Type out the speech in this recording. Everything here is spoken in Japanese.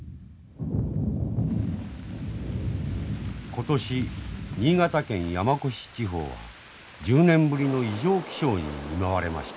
今年新潟県山古志地方は１０年ぶりの異常気象に見舞われました。